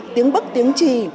tiếng bất tiếng trì